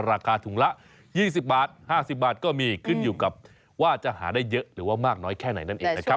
ราคาถุงละ๒๐บาท๕๐บาทก็มีขึ้นอยู่กับว่าจะหาได้เยอะหรือว่ามากน้อยแค่ไหนนั่นเองนะครับ